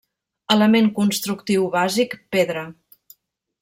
Element constructiu bàsic: pedra.